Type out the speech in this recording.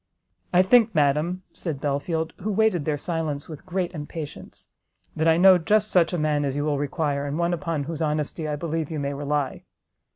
"I think, madam," said Belfield, who waited their silence with great impatience, "that I know just such a man as you will require, and one upon whose honesty I believe you may rely."